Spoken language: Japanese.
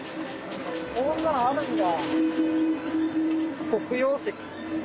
こんなんあるんだ。